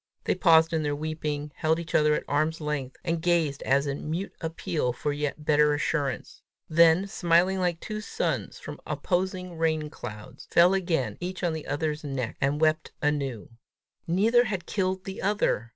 They paused in their weeping, held each other at arm's length, and gazed as in mute appeal for yet better assurance; then, smiling like two suns from opposing rain clouds, fell again each on the other's neck, and wept anew. Neither had killed the other!